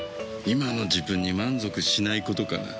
今の自分に満足しないことかな。